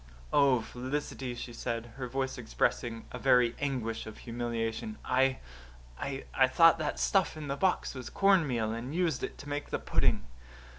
"Oh, Felicity," she said, her voice expressing a very anguish of humiliation, "I I thought that stuff in the box was cornmeal and used it to make the pudding."